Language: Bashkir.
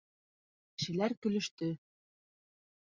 Кешеләр көлөштө: